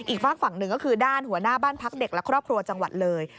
ฝากฝั่งหนึ่งก็คือด้านหัวหน้าบ้านพักเด็กและครอบครัวจังหวัดเลย